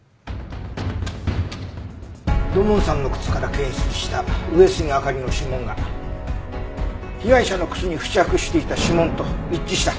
土門さんの靴から検出した上杉明里の指紋が被害者の靴に付着していた指紋と一致した。